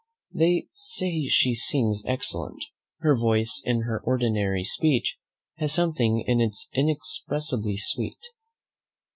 They say she sings excellently; her voice in her ordinary speech has something in it inexpressibly sweet.